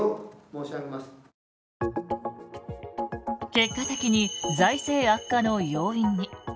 結果的に財政悪化の要因に。